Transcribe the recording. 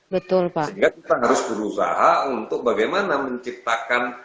betul sehingga kita harus berusaha untuk bagaimana menciptakan